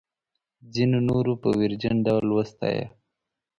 ځینو نورو په ویرجن ډول وستایه.